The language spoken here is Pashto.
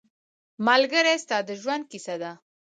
ملګری ستا د ژوند کیسه ده